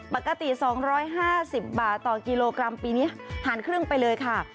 ปกติสองร้อยห้าสิบบาทต่อกิโลกรัมปีนี้หารครึ่งไปเลยค่ะ